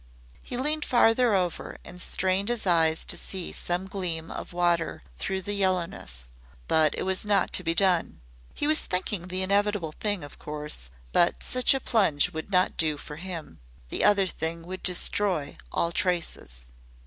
He leaned farther over and strained his eyes to see some gleam of water through the yellowness. But it was not to be done. He was thinking the inevitable thing, of course; but such a plunge would not do for him. The other thing would destroy all traces.